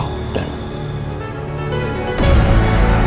harus menjadikan bunga